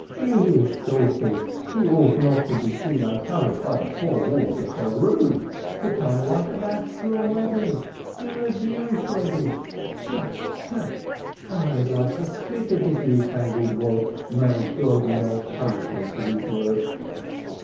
Jewish daughters, who ought not to be seen uncovered by the four walls of their room, to come like that to a wedding! To a Jewish wedding! ... Tpfu, tpfu, I'd like to spit at this newfangled world, may God not punish me for these words